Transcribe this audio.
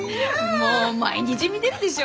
もう毎日見てるでしょ。